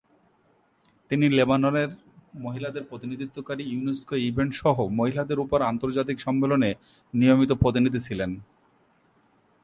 তিনি লেবাননের মহিলাদের প্রতিনিধিত্বকারী ইউনেস্কো ইভেন্ট সহ মহিলাদের উপর আন্তর্জাতিক সম্মেলনে নিয়মিত প্রতিনিধি ছিলেন।